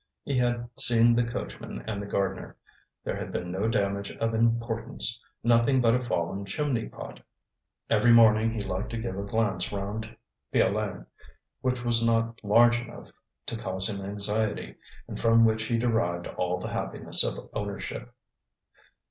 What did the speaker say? He had seen the coachman and the gardener; there had been no damage of importance, nothing but a fallen chimney pot. Every morning he liked to give a glance round Piolaine, which was not large enough to cause him anxiety, and from which he derived all the happiness of ownership.